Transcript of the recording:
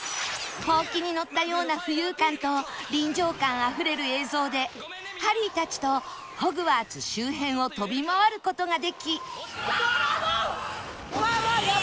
ホウキに乗ったような浮遊感と臨場感あふれる映像でハリーたちとホグワーツ周辺を飛び回る事ができ